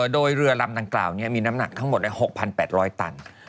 โดยเรือลำดังกล่าวมีน้ำหนักทั้งหมด๖๘๐๐ตัน